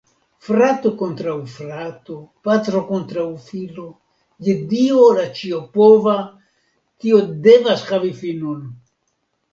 Frato kontraŭ frato, patro kontraŭ filo; je Dio, la ĉiopova, tio devas havi finon!